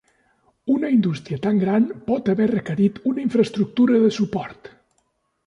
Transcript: Una indústria tan gran pot haver requerit una infraestructura de suport.